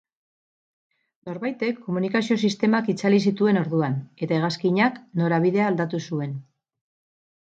Norbaitek komunikazio sistemak itzali zituen orduan, eta hegazkinak norabidea aldatu zuen.